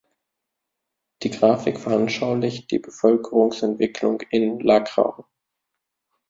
Die Grafik veranschaulicht die Bevölkerungsentwicklung in La Crau.